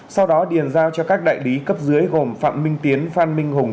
sau đó điền giao cho các đại lý cấp dưới gồm phạm minh tiến phan minh hùng